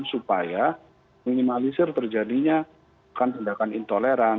supaya minimalisir terjadinya tindakan intoleran